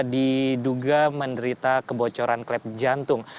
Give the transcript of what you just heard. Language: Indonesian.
diduga menderita kebocoran klep jantung